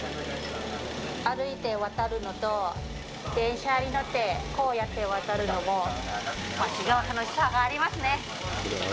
歩いて渡るのと、電車に乗ってこうやって渡るのも、また違う楽しさがありますね。